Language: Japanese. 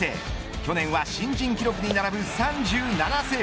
去年は新人記録に並ぶ３７セーブ